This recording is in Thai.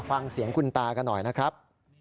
ฟังเสียงคุณตากันหน่อยนะครับ